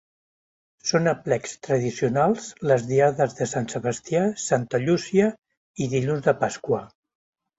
Són aplecs tradicionals les diades de Sant Sebastià, Santa Llúcia, i dilluns de Pasqua.